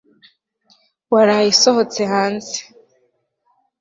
waraye usohotse hanze